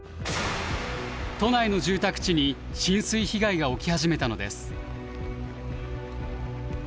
都内の住宅地に浸水被害が起き始めたのです。